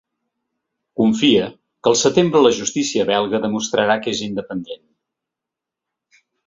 Confia que al setembre la justícia belga demostrarà que és independent.